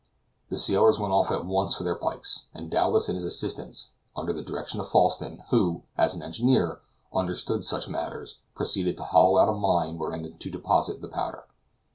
The sailors went off at once for their pikes, and Dowlas and his assistants, under the direction of Falsten, who, as an engineer, understood such matters, proceeded to hollow out a mine wherein to deposit the powder.